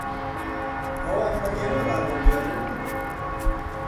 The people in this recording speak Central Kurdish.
ئەوان بە ئێمە ڕادەبوێرن؟